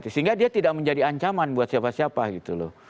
sehingga dia tidak menjadi ancaman buat siapa siapa gitu loh